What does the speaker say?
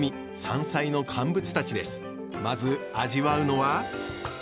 まず味わうのは！